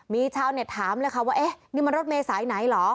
มีชาวเน็ตถามเลยค่ะว่าเนี่ยมันรถเมษัฐร้ายไหนหรอ